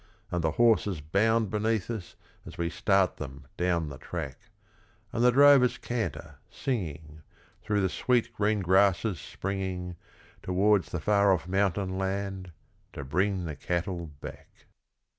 And the horses bound beneath us as we start them down the track; And the drovers canter, singing, Through the sweet green grasses springing, Towards the far off mountain land, to bring the cattle back.